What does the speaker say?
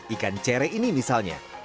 ikan cere ini misalnya